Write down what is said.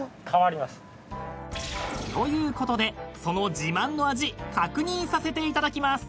［ということでその自慢の味確認させていただきます］